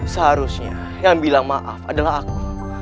seharusnya yang bilang maaf adalah aku